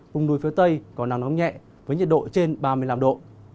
vùng núi phía tây có nắng nóng nhẹ với nhiệt độ trên ba mươi năm độ